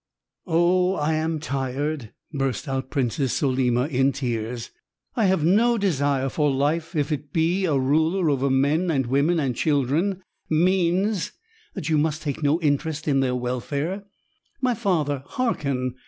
"Oh, I am tired," burst out Princess Solima, in tears. "I have no desire for life if to be a ruler over men and women and children means that you must take no interest in their welfare. My father, hearken.